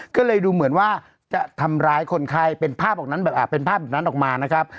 ก็เลยดูเหมือนว่าจะทำร้ายคนไข้เป็นภาพเป็นภาพแบบนั้นออกมานะครับ